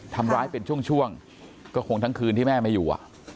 ทำร้ายเป็นช่วงก็คงทั้งคืนที่แม่ไม่อยู่